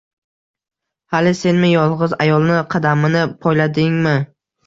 Hali senmi yolgʻiz ayolni qadamini poyladingmi?